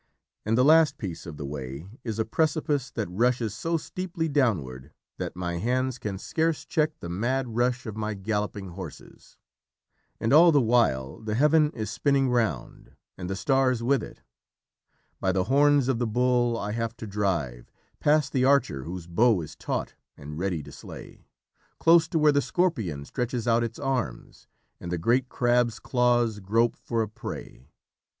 And the last piece of the way is a precipice that rushes so steeply downward that my hands can scarce check the mad rush of my galloping horses. And all the while, the heaven is spinning round, and the stars with it. By the horns of the Bull I have to drive, past the Archer whose bow is taut and ready to slay, close to where the Scorpion stretches out its arms and the great Crab's claws grope for a prey...."